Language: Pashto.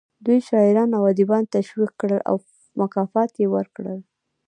دوی شاعران او ادیبان تشویق کړل او مکافات یې ورکړل